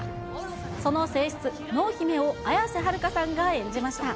その正室、濃姫を綾瀬はるかさんが演じました。